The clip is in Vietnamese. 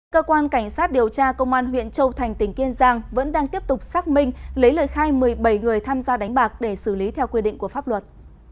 cơ quan cảnh sát điều tra công an huyện châu thành tỉnh kiên giang vẫn đang tiếp tục xác minh lấy lời khai một mươi bảy người tham gia đánh bạc để xử lý theo quy định của pháp luật